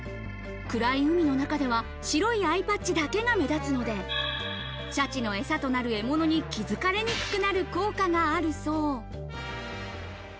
暗い海の中では、白いアイパッチだけが目立つので、シャチのエサとなる獲物に気づかれにくくなる効果があるそう。